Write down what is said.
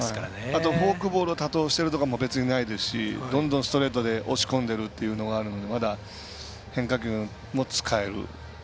あと、フォークボールを多投しているとかもないですしどんどんストレートで押し込んでるというのがあるのでまだ、変化球も使える。